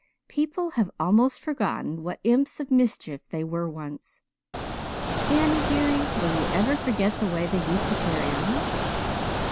People have almost forgotten what imps of mischief they were once. Anne, dearie, will you ever forget the way they used to carry on?